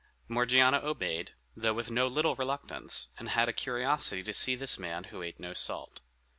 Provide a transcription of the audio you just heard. Morgiana obeyed, though with no little reluctance, and had a curiosity to see this man who ate no salt.